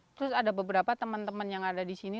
terus ada beberapa temen temen yang ada di sini